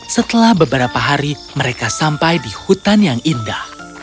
setelah beberapa hari mereka sampai di hutan yang indah